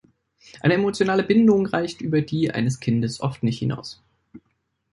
Eine emotionale Bindung reicht über die eines Kindes oft nicht hinaus.